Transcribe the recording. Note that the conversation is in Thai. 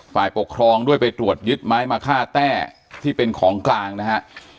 ฝ่ายปกครองด้วยไปตรวจยึดไม้มาฆ่าแต้ที่เป็นของกลางนะฮะ